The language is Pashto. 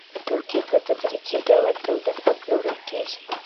توکي په تدریجي ډول تولید او پلورل کېږي